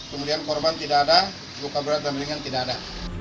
kemudian korban tidak ada luka berat dan ringan tidak ada